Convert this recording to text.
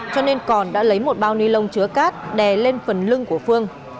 cho nên còn đã lấy một bao ni lông chứa cát đè lên phần lưng của phương